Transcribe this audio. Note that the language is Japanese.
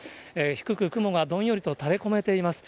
低く雲がどんよりと垂れ込めています。